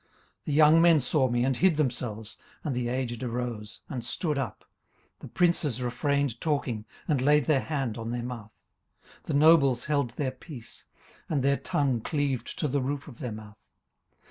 18:029:008 The young men saw me, and hid themselves: and the aged arose, and stood up. 18:029:009 The princes refrained talking, and laid their hand on their mouth. 18:029:010 The nobles held their peace, and their tongue cleaved to the roof of their mouth.